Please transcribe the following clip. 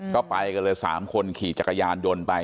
ก็ไปกันเลย๓คนขี่จักรยานยนต์ไป